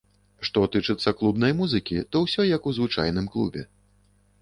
Што тычыцца клубнай музыкі, то ўсё як у звычайным клубе.